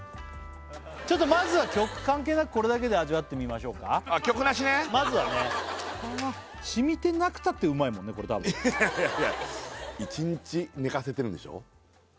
ちょっとまずは曲関係なくこれだけで味わってみましょうかまずはね染みてなくたってうまいもんねこれ多分いやいやいや１日寝かせてるんでしょ